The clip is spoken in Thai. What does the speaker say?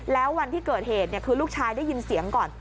แล้ววันที่เกิดเหตุคือลูกชายได้ยินเสียงก่อน